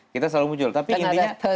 kita selalu muncul tapi intinya